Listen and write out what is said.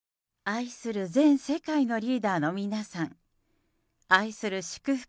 愛する全世界のリーダーの皆さん、愛する祝福